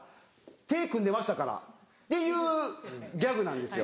「手組んでましたから」っていうギャグなんですよ。